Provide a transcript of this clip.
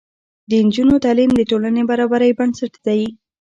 د نجونو تعلیم د ټولنې برابرۍ بنسټ دی.